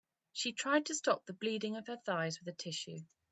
She tried to stop the bleeding of her thighs with a tissue.